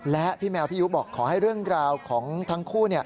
และพี่แมวพี่ยุบอกขอให้เรื่องราวของทั้งคู่